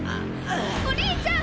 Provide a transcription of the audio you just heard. お兄ちゃん！